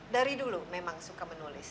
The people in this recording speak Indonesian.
dari dulu memang suka menulis